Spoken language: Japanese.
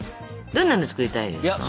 どんなの作りたいですか？